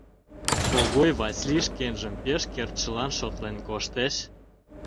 Когой Васлий шкенжым пеш кертшылан шотлен коштеш...